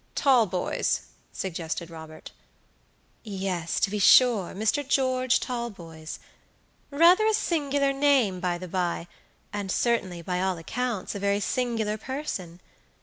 "Talboys," suggested Robert. "Yes, to be sureMr. George Talboys. Rather a singular name, by the by, and certainly, by all accounts, a very singular person.